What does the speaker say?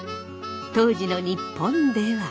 当時の日本では。